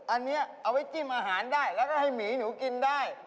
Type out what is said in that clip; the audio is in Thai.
อันนี้เอาไว้จิ้มอาหารได้แล้วก็ให้หมีหนูกินได้